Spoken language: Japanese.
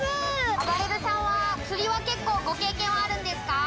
あばれるさんは釣りは結構ご経験はあるんですか？